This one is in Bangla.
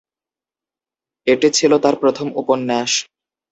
এটি ছিল তার প্রথম উপন্যাস।